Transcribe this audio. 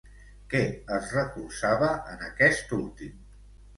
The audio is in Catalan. Què es recolzava en aquest últim?